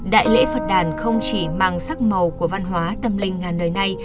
đại lễ phật đàn không chỉ mang sắc màu của văn hóa tâm linh ngàn đời nay